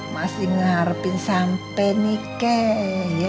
masih mengharapin sampai nike ya